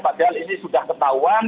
padahal ini sudah ketahuan